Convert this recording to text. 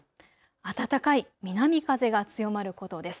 暖かい南風が強まることです。